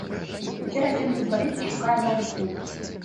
Цяпер агент футбаліста шукае новы клуб.